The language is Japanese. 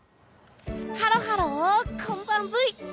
ハロハロこんばんブイ！